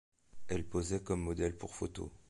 Elle posait comme modèle pour photos.